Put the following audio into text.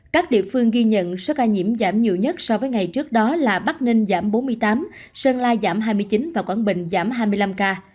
các địa phương ghi nhận số ca nhiễm giảm nhiều nhất so với ngày trước đó là bắc ninh giảm bốn mươi tám sơn la giảm hai mươi chín và quảng bình giảm hai mươi năm ca